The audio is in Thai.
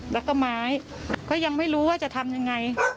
แล้วก็ไม้ก็ยังไม่รู้ว่าจะทำยังไง